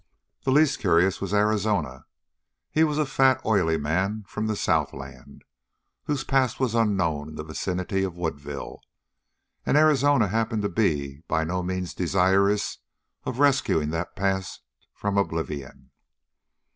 The least curious was Arizona. He was a fat, oily man from the southland, whose past was unknown in the vicinity of Woodville, and Arizona happened to be by no means desirous of rescuing that past from oblivion.